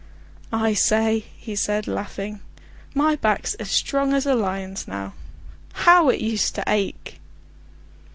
"I say," he said laughing, "my back's as strong as a lion's now. How it used to ache!"